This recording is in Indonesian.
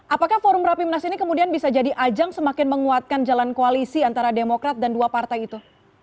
apakah forum rapimnas ini kemudian bisa jadi ajang semakin menguatkan jalan koalisi antara demokrat dan dua partai itu